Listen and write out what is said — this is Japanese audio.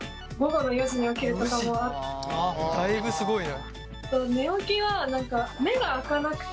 だいぶすごいね。